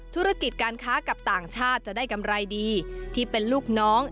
ธุรกิจการค้ากับต่างชาติจะได้กำไรดีที่เป็นลูกน้อง